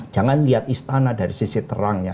jangan lihat istana dari sisi terangnya